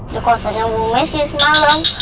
di kosan yang ibu messi semalem